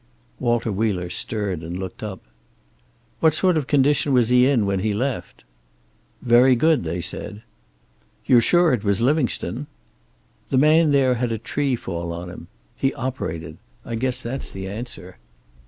Walter Wheeler stirred and looked up. "What sort of condition was he in when he left?" "Very good, they said." "You're sure it was Livingstone?" "The man there had a tree fall on him. He operated. I guess that's the answer."